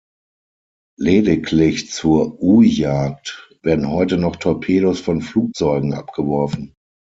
Lediglich zur U-Jagd werden heute noch Torpedos von Flugzeugen abgeworfen.